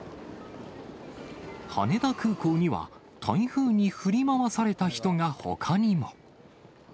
羽田空港には、台風に振り回された人がほかにも。